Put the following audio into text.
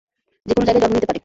যেকোন জায়গায় জন্ম নিতে পারে।